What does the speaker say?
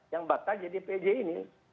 yang bakal jadi pj ini